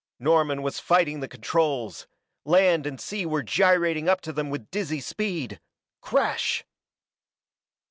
Norman was fighting the controls land and sea were gyrating up to them with dizzy speed crash!